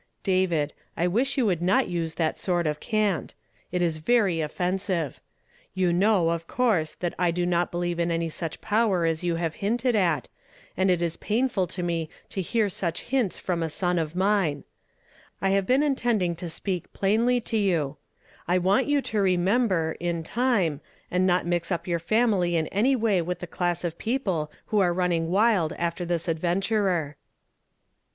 " David, I wish you would not use that sort of cant; it is very offensive. You know, of course, that I do not beheve in any such power as you have liinted at, and it is painful to me to hear such hints from a son of mine. I have been in tending to speak plainly to you. I want you to remember, in time, and not mix up your family in i: ;;; f 86 YESTERDAY FKAMllD IN TO DAY. any way wiiJi the class of people who are runniug wild lifter this adventurer."